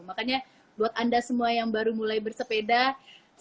makanya buat anda semua yang baru mulai bersepeda